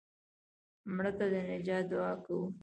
مړه ته د نجات دعا کوو